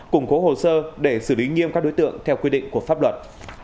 củng cố hồ sơ để xử lý nghiêm các đối tượng theo quy định của pháp luật